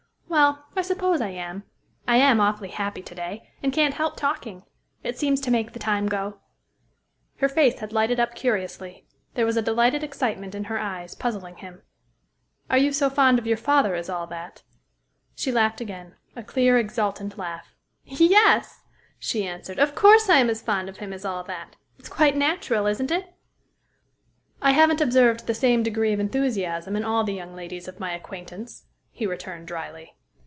Well, I suppose I am. I am awfully happy to day, and can't help talking. It seems to make the time go." Her face had lighted up curiously. There was a delighted excitement in her eyes, puzzling him. "Are you so fond of your father as all that?" She laughed again, a clear, exultant laugh. "Yes," she answered, "of course I am as fond of him as all that. It's quite natural, isn't it?" "I haven't observed the same degree of enthusiasm in all the young ladies of my acquaintance," he returned dryly.